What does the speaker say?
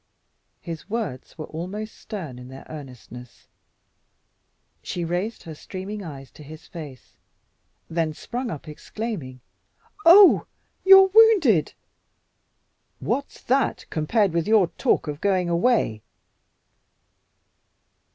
His words were almost stern in their earnestness. She raised her streaming eyes to his face, then sprung up, exclaiming, "Oh! You're wounded!" "What's that, compared with your talk of going away?"